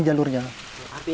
lalu untuk ratus